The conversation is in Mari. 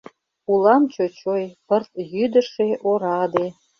Улам чочой, пырт йӱдышӧ, ораде.